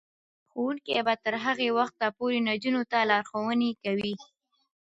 ښوونکې به تر هغه وخته پورې نجونو ته لارښوونې کوي.